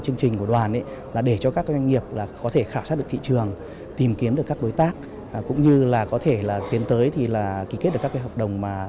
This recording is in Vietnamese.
trong thời gian gần đây chúng tôi nhận thấy hàng nông sản việt nam gia tăng tại thị trường nga